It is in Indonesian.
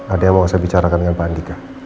ada yang mau saya bicarakan dengan pak andika